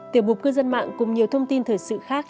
tiểu mục cư dân mạng cùng nhiều thông tin thời sự khác